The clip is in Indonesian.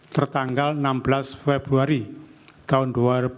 tertanggal enam belas februari tahun dua ribu dua puluh